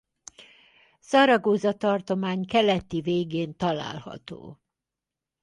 Zaragoza tartomány keleti végén található.